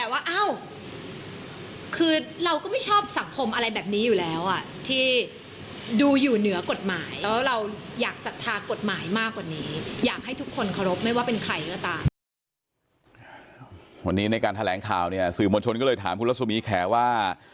วันนี้ในการแถลงข่าวเนี่ยสื่อมวลชนก็เลยถามคุณรสมีแขว่า